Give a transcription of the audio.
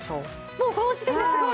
もうこの時点ですごい。